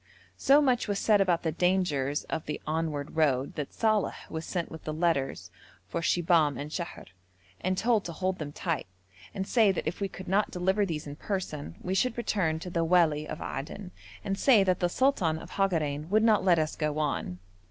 So much was said about the dangers of the onward road that Saleh was sent with the letters for Shibahm and Sheher and told to hold them tight, and say that if we could not deliver these in person we should return to the wali of Aden and say that the sultan of Hagarein would not let us go on.